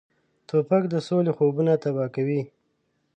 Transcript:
توپک د سولې خوبونه تباه کوي.